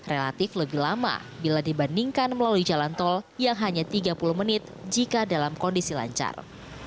relatif lebih lama bila dibandingkan melalui jalan tol tiga puluh satu menit jika lagi minit anda juga dalam kondisi lancar